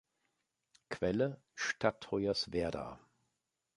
Quelle: Stadt Hoyerswerda